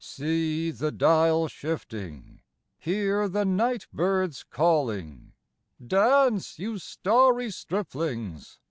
See the dial shifting, hear the night birds calling! Dance, you starry striplings!